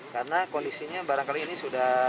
karena kondisinya barangkali ini sudah